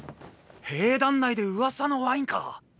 兵団内で噂のワインか！